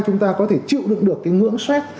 chúng ta có thể chịu được được cái ngưỡng stress